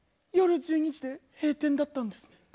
夜１２時で閉店だったんですね。